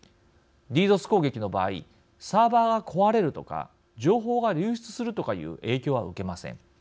攻撃の場合サーバーが壊れるとか情報が流出するとかいう影響は受けません。